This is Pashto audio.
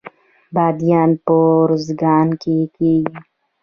بادیان په ارزګان کې کیږي